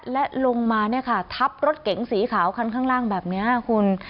และลงมาทับรถเก๋งสีขาวขั้นข้างล่างแบบนี้คุณ